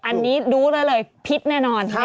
อันนี้ดูได้เลยพิษแน่นอนไม่ได้